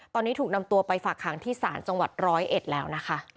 ตอนนี้ถูกนำตัวไปฝากหางที่ศาลจังหวัดร้อยเอ็ดแล้วนะคะ